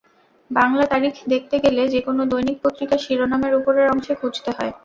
বাংলা তারিখ দেখতে গেলে যেকোনো দৈনিক পত্রিকার শিরোনামের ওপরের অংশে খুঁজতে হয়।